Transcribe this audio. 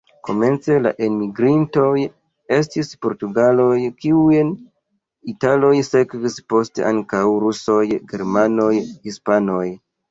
Komence la enmigrintoj estis portugaloj, kiujn italoj sekvis, poste ankaŭ rusoj, germanoj, hispanoj.